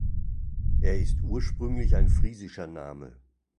Er ist ursprünglich ein Friesischer Name.